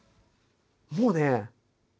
もうね。